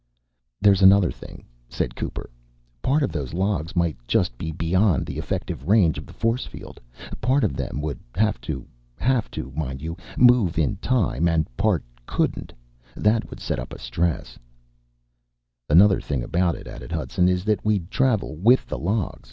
"There's another thing," said Cooper. "Part of those logs might just be beyond the effective range of the force field. Part of them would have to have to, mind you move in time and part couldn't. That would set up a stress...." "Another thing about it," added Hudson, "is that we'd travel with the logs.